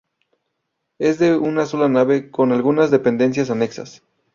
Es de una sola nave, con algunas dependencias anexas.